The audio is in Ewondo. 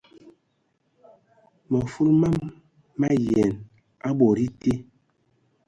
Mə fulu mam ma yian a bod été.